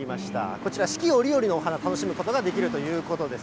こちら、四季折々のお花、楽しむことができるということです。